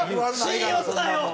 信用すなよ！